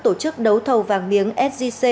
tổ chức đấu thầu vàng miếng sgc